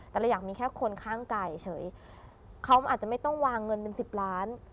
แต่เราอยากมีแค่คนข้างกายเฉยเขาอาจจะไม่ต้องวางเงินเป็นสิบล้าน